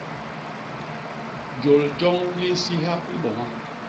Jôl joñ li nsiha i boma.